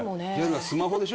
スマホでしょ？